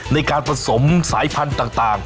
ในการผสมสายพันธุ์ต่าง